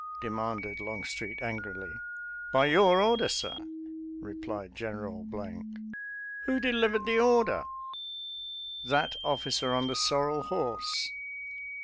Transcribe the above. " demanded Long street angrily. " By your order, sir? " replied General ." Who delivered the order? "" That officer on the sorrel horse."